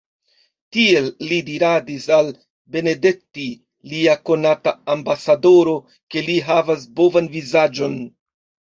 Tiel li diradis al Benedetti, lia konata ambasadoro, ke li havas bovan vizaĝon.